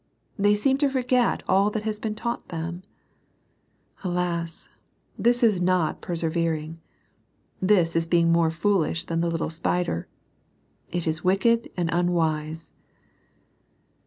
They seem to forget all that has been taught them Alas ! this is not persevering. This is being more foolish than the little spider. It is wicked and unwise.